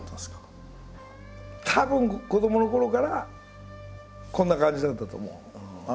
たぶん子どものころからこんな感じだったと思う。